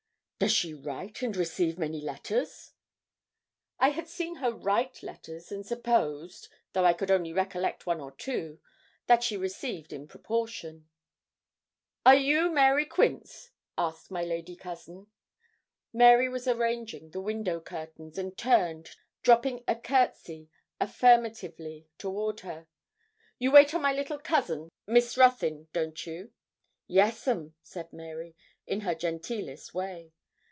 'Does she write and receive many letters?' I had seen her write letters, and supposed, though I could only recollect one or two, that she received in proportion. 'Are you Mary Quince?' asked my lady cousin. Mary was arranging the window curtains, and turned, dropping a courtesy affirmatively toward her. 'You wait on my little cousin, Miss Ruthyn, don't you?' 'Yes, 'm,' said Mary, in her genteelest way.